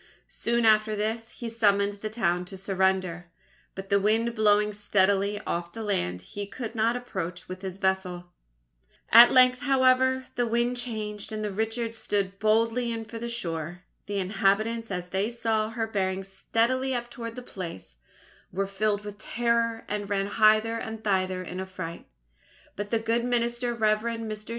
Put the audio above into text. Soon after this, he summoned the town to surrender, but the wind blowing steadily off the land, he could not approach with his vessel. At length, however, the wind changed and the Richard stood boldly in for the shore. The inhabitants, as they saw her bearing steadily up towards the place, were filled with terror, and ran hither and thither in affright; but the good minister, Rev. Mr.